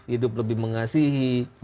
hidup lebih mengasihi